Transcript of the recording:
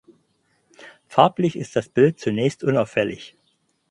Farblich ist das Bild zunächst unauffällig.